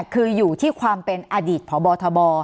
คืออยู่ที่ความเป็นอดีตพบทบ